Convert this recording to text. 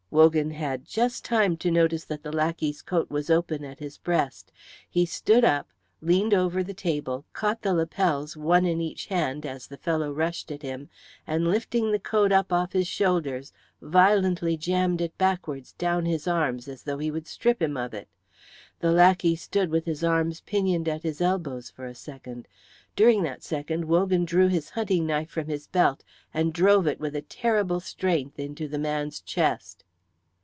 Wogan had just time to notice that the lackey's coat was open at his breast. He stood up, leaned over the table, caught the lapels one in each hand as the fellow rushed at him, and lifting the coat up off his shoulders violently jammed it backwards down his arms as though he would strip him of it. The lackey stood with his arms pinioned at his elbows for a second. During that second Wogan drew his hunting knife from his belt and drove it with a terrible strength into the man's chest.